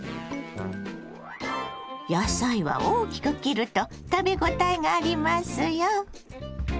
野菜は大きく切ると食べ応えがありますよ。